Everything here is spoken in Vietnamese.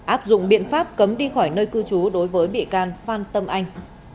áp dụng biện pháp cấm đi khỏi nơi cư trú đối với bị can phan tâm anh